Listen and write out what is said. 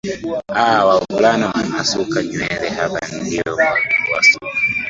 aaa wavulana wanasuka nywele hapa ndio wasuka